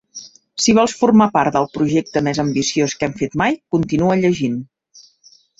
Si vols formar part del projecte més ambiciós que hem fet mai, continua llegint.